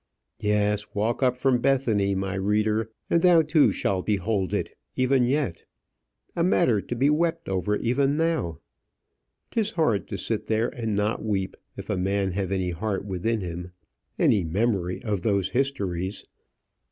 Yes, walk up from Bethany, my reader, and thou, too, shalt behold it, even yet; a matter to be wept over even now. 'Tis hard to sit there and not weep, if a man have any heart within him, any memory of those histories.